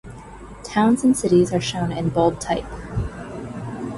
Towns and cities are shown in bold type.